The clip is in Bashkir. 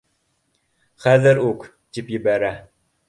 Хәҙер үк, тип ебәрә